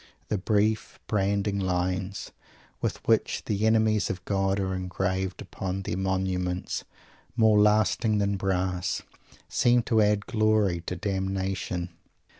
The brief, branding lines, with which the enemies of God are engraved upon their monuments "more lasting than brass," seem to add a glory to damnation.